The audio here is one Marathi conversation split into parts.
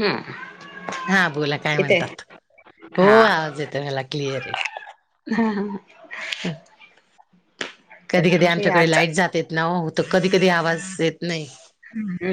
हूम. हा बोला काय म्हणतात? हो हा आवाज येतोय मला क्लिअर आहे. हा- हा- हा. - तर कधी कधी करूया आमच्याकडे आजचा लाईट जाते. नावा होत. कधी कधी आवाज येत नाय. हुं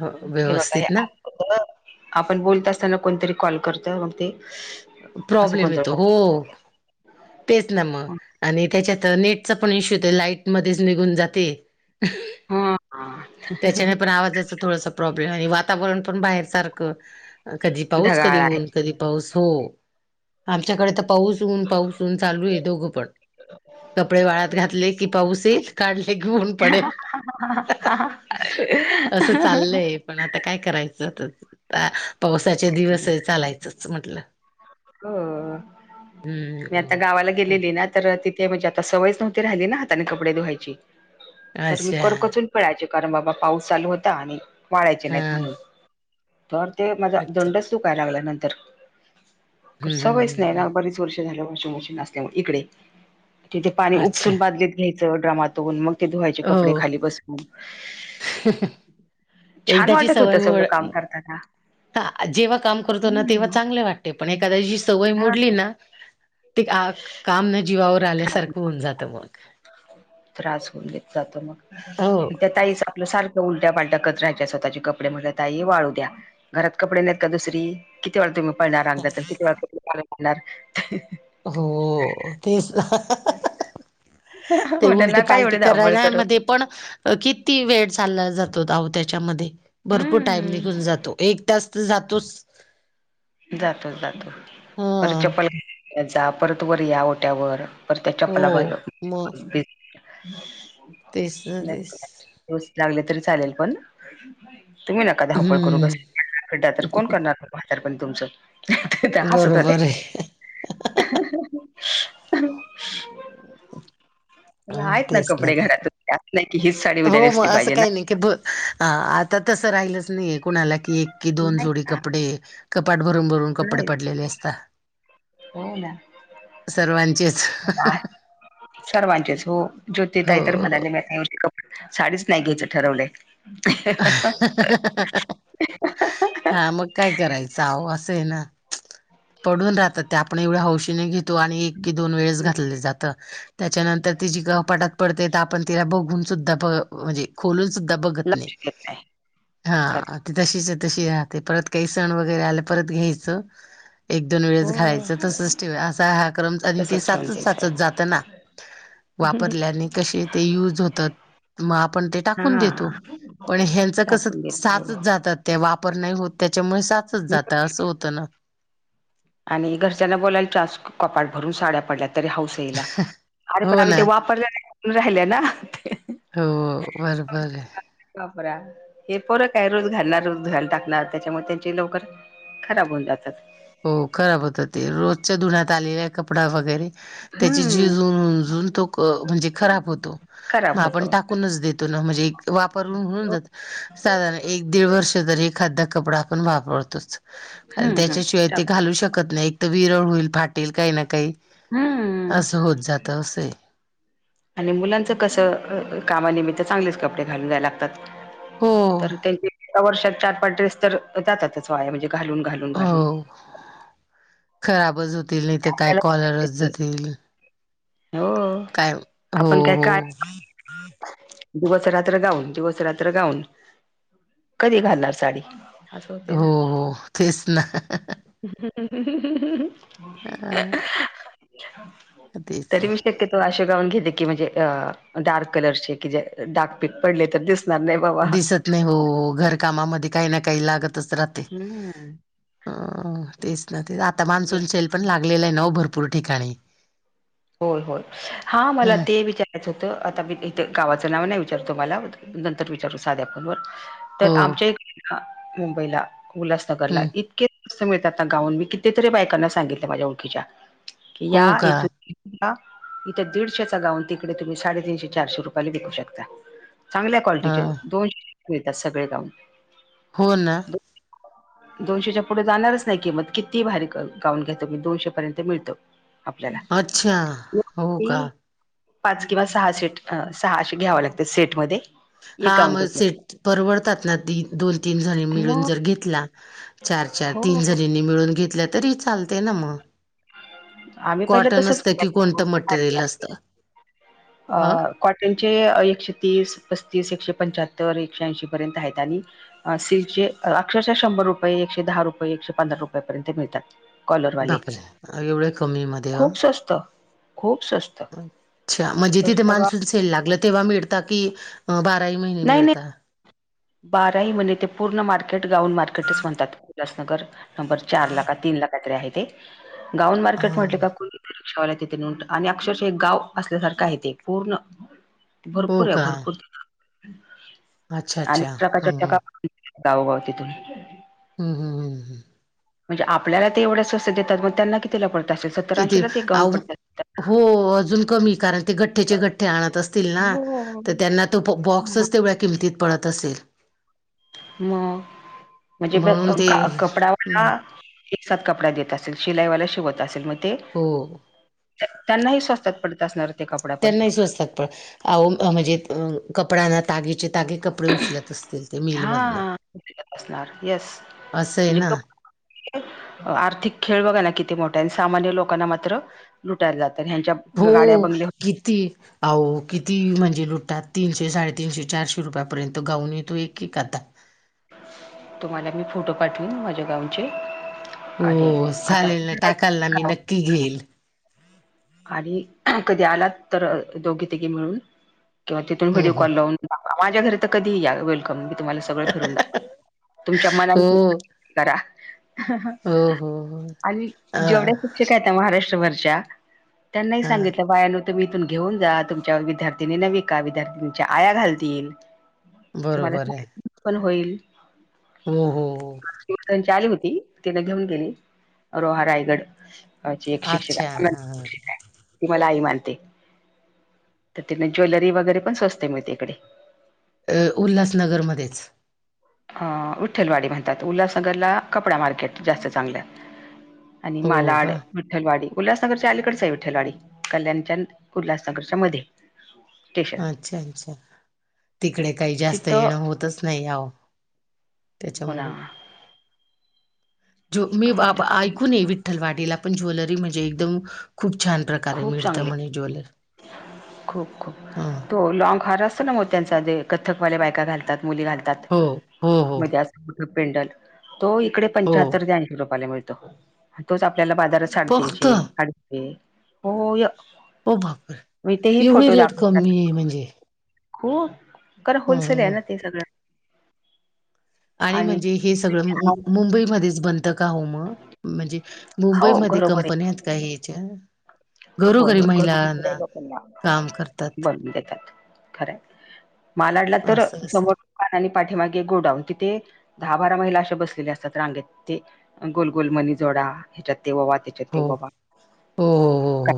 हो हे बगा हे व्यवस्थित ना ऍप अप आपण बोलत असताना, कोणतरी कॉल करत. मग ते असं प्रॉब्लेम येतो कोणतरी हो. तेच ना मग आणि त्याच्यात नेटचा पण इशू येतो. लाईट मध्येच निघून जाते. [unintelligible] हा त्याच्याने पण आवाजाचं थोडस प्रॉब्लेम आहे. वातावरण पण बाहेर सारखं कधी पाऊस, कधी ढगाळ आहे ऊन, कधी पाऊस हो हो आमच्याकडे ना. तर पाऊस ऊन, पाऊस ऊन चालू आहे. दोघं पण कपडे वाळत घातले कि, पाऊस यील काढले की, ऊन पडेल. असं चाललंय, पण आता काय करायचं? तस तर पावसाचे दिवस हाय चालायचंच म्हटलं. ह ह. मी आता हम्म गावाला गेलेली ना तर तिथे म्हणजे आता सवयच नव्हती राहिली ना, हाताने कपडे धुवायची तर, मी अच्छा करकचून पिळायचे कारण बाबा पाऊस चालू होता. आणि वाळायचे हा नाहीत म्हणून तर ते माझा अच्छा दंडच दुखायला लागलाय नंतर कारण हम्म सवयच नाही हम्म हम् ना बरीच [unintelligible] झाल्यामुळे वॉशिंग मशीन असल्यामुळे इकडे तिथे पाणी अच्छा उपसून बादलीत घ्यायचं ड्रामातून मग ते धुवायचे हो कपडे खाली बसून. छान वाटत होत सगळं काम करताना. तर जेव्हा काम करतो ना तेव्हा हम्म चांगले वाटते पण एखाद्याची सवय हा मोडली ना ते आक काम ना जीवावर आल्यासारखं होऊन जातं मग. त्रास होऊन देत जातो मग, हो तर मग त्या ताईचा आपल सारखं उलट्या पालट्या करत राहायच्या स्वतःचे कपडे म्हणल ताई वाळू द्या घरात कपडे नाहीत का दुसरी किती वेळा तुम्ही पळणार [unintelligible] किती वेळ पाणी काढणार. हो, तेच ना ते म्हटलं उलटी नका पालटी एवढी धावपळ करायला करू म ते पण अह किती वेळ चालला जातो अहो त्याच्यामध्ये भरपूर टाईम निघून हम्म जातो, एक तास तर जातोच जातो जातो, परत हा चप्पल घेत जा परत या वर ओट्यावर परत त्या हो मग चपल्या [unintelligible] तेच ना तेच. रोज लागल तरी चालेल पण तुम्ही नका धवपळ करू हम्म बसा [unintelligible] तर कोण करणार म्हातारपण तुमचं त्या हसत होत्या. बरोबर आहे अं, नाहीत ना तेच कपडे ते घरात त्यात नाय की हीच साडी उद्या हो मग नेसली असं पाहिजे ना काही नाही की ब अह आता तसं राहीलच नाहीये कोणाला की एक की दोन नाही जोडी ना क पडे कपाट भरून भरून कपडे नाही पडलेले असता. हो ना सर्वांचेच सर्वांचेच हो ज्योती हो. ताई तर म्हणायले बाई साडीच नाही घ्यायचं ठरवलंय. ह..... हा मग काय करायचं अहो असं आहे ना. पडून राहतात ते आपण एवढ्या हौशीने घेतो, आणि एक की दोन वेळेस घातले जातं. त्याच्या नंतर ती जी कपाटात पडते तर आपण तिला बघून सुद्धा प अह म्हणजे खोलून सुद्धा बघत नाही लक्ष देत नाही खर हा ती तशीच तशी राहते परत काही सण वगैरे आले परत घ्यायचं एक दोन वेळेस हो घालायचं तसच ठेवा असा हा कर्म आणि ते तसच ठेवून साचत द्यायचं साचत जात ना वापरल्याने कसे ते युज होतात, मग आपण ते टाकून देतो, हा पण ह्यांच कस टाकून साचत देत जातात. त्या वापर नाही होत त्याच्यामुळे साचत जात असं होतं ना आणि घरच्यांना बोलायला चान्स, कपाट भरून साड्या पडल्यात तरी हौस हिला, अरे पण हो आम्ही ते ना वापरल्या नाही म्हणुन राहिल्या ना हो बरोबर आहे. वापरा. हे फरक आहे रोज घालणार रोज धुवायाला टाकणार त्याच्यामुळे त्यांची लवकर खराब होऊन जातात. हो खराब होतात ते रोजच्या धुण्यात आलेला कपडा वगैरे त्याची हम्म. झीज होऊन अजून तो म्हणजे खराब होतो. खराब मग आपण होतो. टाकूनच देतो ना म्हणजे एक वापर होऊन जातो. साधारण एक दीड वर्ष तरी एखादा कपडा आपण वापरतोच कारण हम्म हम्म. त्याच्याशिवाय ते टाकून. घालू शकत नाही एक तर विरळ होईल, फाटेल काही ना काही हम्म. असं होत जात असं आहे. आणि मुलांचं कसं कामानिमित्त चांगलेच कपडे घालून जायला लागतात. हो तर त्यांचे वर्षात चार, पाच ड्रेस तर जातातच वाया म्हणजे घालून घालून घालून घालून. हो खराबच होतील नाही तर काय आपल्याला कुठे कॉलरच येते? जातील. हो काय हो आपण काय हो. काय दिवस रात्र गाऊन दिवस रात्र गाऊन. कधी घालणार साडी? असं होते हो ना. हो तेच ना. हां, तेच तरी आहे मी शक्य तो अशे गाऊन घेते की म्हणजे अ डार्क कलर चे की जे डार्क पीक पडले तर दिसणार नाही. बाबा. दिसत नाही हो हो घरकामामध्ये काही ना काही लागतच राहते. हम्म अ तेच ना ते आता म्हणजे मान्सून शेल पण लागलेला आहे ना ओ भरपूर ठिकाणी. होय होय हा मला ह ते विचार रायच होतं आता मी इथं गावाचं नाव नाही विचारतो मला नंतर विचारू साध्या फोन वर. तर हो, आमच्या [inaudible] मुंबईला उल्हासनगरला हं, इतके मस्त मिळतात ना गाऊन मी कितीतरी बायकांना सांगितलं माझ्या ओळखीच्या की हो का? ईथून [inaudible] इथं दिडशेचा गाऊन तिकडे तुम्ही साडेतीनशे, चारशे रुपयला विकू शकता. चांगल्या क्वालिटीचे हां, दोनशे [inaudible] मिळतात सगळे गाऊन. हो ना. दोनशेच्या पुढे जाणारच नाही किमत किती भारी गाऊन घ्या तुम्ही दोनशे पर्यंत मिळतो. आपल्याला. अच्छा, हो का? [inaudible] पाच किंवा सहा सेट अ सहा अशे घ्याव लागत सेटमध्ये. हा एक गाऊन म घेतलं सेट परवडतात ना ती. दोन, तीन जणी मिळून मग जर घेतला चार चार हो तीन, जणी. जनी मिळून घेतल्या तरी चालते ना म. आम्ही पहिलं तसेच की करायचो कोणतं मटेरियल [inaudible] असतं? अ हां, कॉटन त्यांचे एकशे तीस, पस्तीस, एकशे पंच्याहत्तर, एकशे ऐंशी पर्यंत आहेत आणि अ सिल्कचे अक्षरशः शंभर रुपये, एकशे दहा रुपये, एकशे पंधरा रुपयाेपर्यंत मिळतात. कॉलरवाले. एवढे कमी मध्ये? खूप सस्त. खूप सस्त. अच्छा म्हणजे तिथे मान्सून सेल लागल तेव्हा मिडता की बाराही महिने नाही नाही मिळता? बाराही महिने ते पूर्ण मार्केट गाऊन मार्केटच म्हणतात उल्हासनगर. नंबर चार ला का तीन ला काहीतरी आहे ते गाउन मार्केट म्हटल हां, का कु रिक्षावाला तिथे नेऊन आणि अक्षरशः एक गाव असल्यासारखं आहे ते पूर्ण. हो भरपूर आहे का? भरपूर. अच्छा, आणि अच्छा. ट्रकाच्या हं, टका हं. [inaudible] गावगाव तिथून. म्हणजे उम हम. म्हणजे आपल्याला ते एवढ्या स्वस्त देतात मग त्यांना की तेला पण तशे सस तरांशी किती लाच एक गाऊन अहो पडत्यात. हो अजून कमी कारण ते गठ्ठेचे गठ्ठे आणत असतील ना. हो तर त्यांना तो बॉक्सच तेवढ्या किमतीत पडत असेल. म म्हणजे बघ म्हणून ते कपडावाला हं, एकसाथ कपडा देत असेल शिलाईवाला शिवत असेल म ते हो. त्यांनाही स्वास्थात पडत असणार. ते कपडा पण त्यांना ही स्वस्तात पण अहो अ म्हणजे अ कपडा ना तागेचे तागे कप प्र उचलत असतील ते मीलमधन हां, असणार. येस. असं आहे म्हणजे ना. कबड्डी आर्थिक खेळ बघाना किती मोठाये आणि सामान्य लोकांना मात्र लुटायला जातात ह्यांच्या गाड्या हो बंगल्या होत किती? अहो किती म्हणजे लुटतात तीनशे साडेतीनशे चारशे रुपयापर्यंत गाऊन तो एक एक खात तुम्हाला मी फोटो पाठव माझ्या गाऊन चे हो चालेल ना टाकाल ना मी गाव. नक्की घेईल आणि कधी आलात तर दोघी तघे मिळून किंवा तिथून हं, व्हिडिओ हं. कॉल लावून माझ्या घरी तर कधी या वेलकम मी तुम्हाला सगळं फिरून दाखव तुमच्या मनाने हो करा हो हो हो आणि अ जेवढ्या शिक्षक आहेत महाराष्ट्रभरच्या त्यांना हा सांगितलं बायान तुम्ही इथून घेऊन जा तुमच्यावर विद्यार्थिनी नवी का विद्यार्थिंच्या आया घालतील तुम्हाला बरोबर पण होईल हम हम त्यांची आली होती तिथ घेऊन गेली रोहा रायगड अच्छा एक शिक्षिका अच्छा. हां. हां. शिक्षिका ती मला आई मानते तर तिन ज्वेलरी वगैरे पण स्वस्ते मिळते इकडे उल्हासनगरमध्येच उठ्ठलवाडी म्हणतात उल्हासनगरला कपडा मार्केट जास्त चांगलंत आणि हो मालाड का? विठलवाडी उल्हासनगरच्या अलीकडच आहे विठ्ठलवाडी कल्याणच्या उल्हासनगरच्या मध्ये स्टेशन अच्छा अच्छा तिकडे काही जास्त तिथं येणं होतच नाही आवं हो ना मी ऐकून विठ्ठल वाटीला पण ज्वेलरी म्हणजे एकदम खूप छान प्रकार खूप मिळते चांगले म्हणे जले खूप खूप तो लॉन्ग हार असतो ना मोत्यांचा ते कथकवाल्या बायका घालतात मुली घालतात हो, हो, हो, मध्ये असठ पेंडल तो इकडे हो. पंच्याहत्तर ते ऐंशी रुपयाला मिळतो तोच आपल्याला बाजारात फक्त साडेतीनशे ते हो या हो बापर यवढी रेट कमी आहे म्हणजे हो खरं हं, होलसेल आहे हं. ना ते सगळं आणि म्हणजे हे सगळं मुंबईमध्येच बन त का हो मग म्हणजे हो मुंबईमध्ये घरोघरी कंपन्या आहेत का याच्या होय होय घरोघरी काही लोकांना काम करतात बनून देतात खरय मालाडला तर असं असं समोर पाना आणि पाठीेमागे गोडाऊन तिथे दहा बारा महिला अशे बसलेले असतात रांगेत ते गोल गोल मनी जोडा ह्याच्यात ते व हो हो हो का हो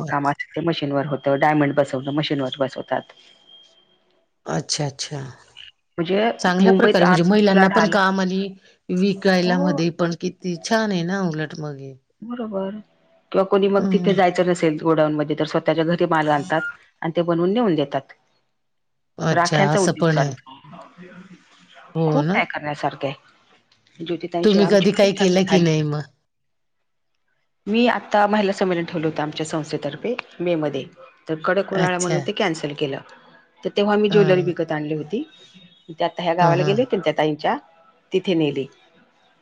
हो काम अस ते मशीनवर होतं डायमंड बसवलं मशीनवर बसवतात अच्छा अच्छा म्हणजे चांगल्या मुंबईत प्रकारे म्हणजे आर्थिक महिलांना पण उलाढाल काम आणि विकायला हो मध्ये पण किती छान आहे ना उलट मग बरोबर किंवा कोणी मग तिथे हम्म जायचं नसेल गोडाऊन मध्ये तर स्वतः त्याच्या घरी माल आणतात आणि ते बनवून नेऊन देतात अच्छा राख्यांचा असं उद्योग पण आहे चालत हो खूप ना काय करण्यासारखे ज्योती ताईंशी तुम्ही आमची कधी काही बरीच चर्चा केलं की झाली नाही मग मी आता महिला संमेलन ठेवलं होतं आमच्या संस्थेतर्फे मे मध्ये तर कडक उन्हाळा म्हणून अच्छा ते कॅन्सल केलं तर तेव्हा मी हा ज्वेलरी विकत आणली होती. त्या आता ह्या हा गावाला हा गेली त्या ताईच्या तिथे नेली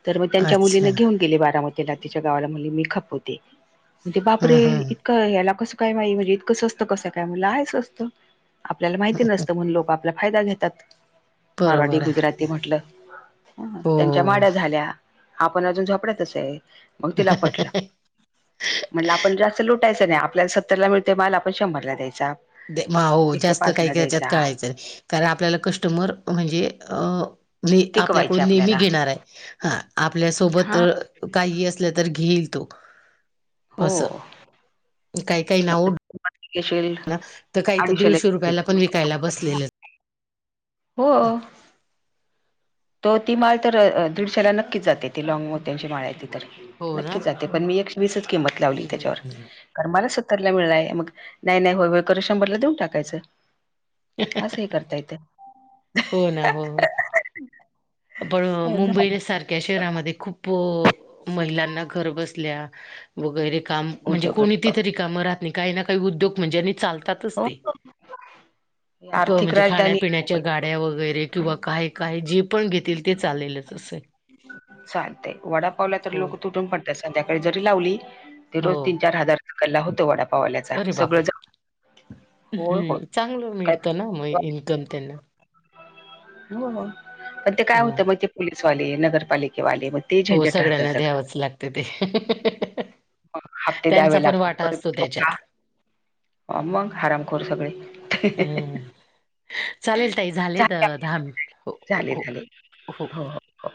तर मग त्यांच्या अच्छा मुलीन घेऊन गेले बारामतीला तिच्या गावाला म्हणली मी खपवते. म्हण ते बाप हा रे हा इतकं ह्याला कसं काय हाय म्हणजे इतकं स्वस्त कसं काय म्हणलं आहे स्वस्त आपल्याला माहिती नसतं म्हणुन लोक आपला फायदा घेतात. मारवाडी बरोबर गुजराती आहे म्हटलं हो त्यांच्या माड्या झाल्या आपण अजून झोपड्यातच आहे मग तिला पटलं हो. म्हणलं आपण जास्त लुटायचं नाही आपल्याला सत्तर ला मिळते माल आपण शंभरला द्यायचा हो एकशे जास्त पाच काही ला ह्याच्यात द्यायचा काही कळायचं नाही कारण आपल्याला कस्टमर म्हणजे अ जे टिकवायचे आपल्याकडून नेहमी आपल्याला घेणार आहे. हा आपल्यासोबत हा काही असलं तर घेईल तो हो असं काही काही ना उ- श तर काही तर दीडशे रुपयाला पण विकायला बसलेलं हो तो ती माळ तर दीडश्याला नक्कीच जाते ती लाँग मोत्यांची माळ आहे ती तरी हो ना नक्की जाते पण मी एकशे वीसच किंमत लावली हम्म, त्याच्यावर हम्म, हम्म. कारन माला सत्तरला मिळालाय मग नाही नाही होय होय करुन शंभरला देऊन टाकायचं. अस ही करता येते हो ना हो पण मुंबईला सारख त्या शहरामध्ये खूप महिलांना घर बसल्या वगैरे काम म्हणजे उद्योग कोणी तीथे रीकामं राहत नाही काही ना काही उद्योग म्हणजे आणि चालत हो हो आर्थिक म्हणजे राजधानी आहे खाण्यापिण्यात मुंबई गाड्या वगैरे किंवा काही काही जी पण घेतील ते चालेलच असं चालते वडा पावला तरी हो. लोक तुटून पडतात संध्याकाळी जरी लावली तरी हो रोज तीन चार हजार गल्ला होतो वडापावल्याचा अरे सगळं बापरे! ज होय होय हम्म चांगलं काय मिळतं ना मग इन्कम त्यांना हो हो पण ते काय होत हम्म मग ते पोलिसवाले नगरपालिकेवाले मग ते हो झंझट राहतं सगळ्यांना सगळं द्यावंच लागते ते मग हप्ते त्यांचा द्यावे पण लागतील वाटा असतो परत त्याच्यात. होका हो मग हारामखोर सगळे हं हम्म हं चालेल ताई झाले तर दहा हो हो झाले हो झाले हो हो.